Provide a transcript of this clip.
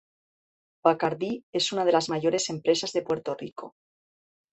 Bacardí es una de las mayores empresas de Puerto Rico.